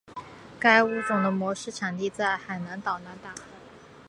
该物种的模式产地在海南岛那大。